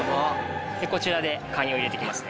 こちらでカニを入れて行きますね。